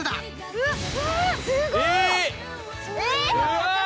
うわっ！